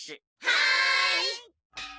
はい！